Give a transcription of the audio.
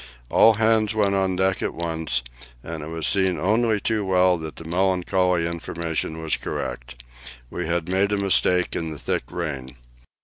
All hands went on deck at once, and it was seen only too well that the melancholy information was correct. We had made a mistake in the thick rain.